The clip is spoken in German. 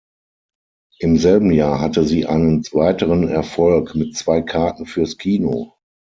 Im selben Jahr hatte sie einen weiteren Erfolg mit "Zwei Karten für's Kino".